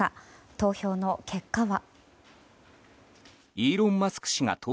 投票の結果は。